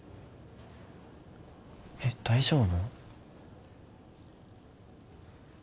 えっ大丈夫？